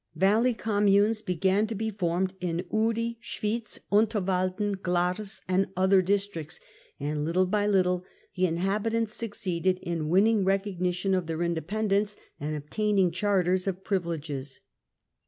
Valley communes began to be formed in Uri, Schwitz, Unterwalden, Glarus and other districts, and httle by little the inhabitants succeeded in winning recognition of their independence and obtaining charters of privileges.